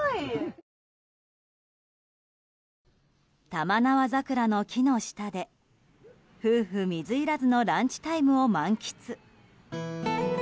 玉縄桜の木の下で夫婦水入らずのランチタイムを満喫。